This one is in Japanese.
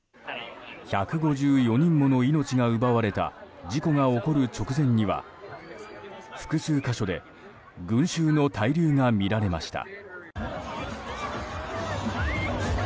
１５４人もの命が奪われた事故が起こる直前には複数箇所で群衆の滞留が見られました。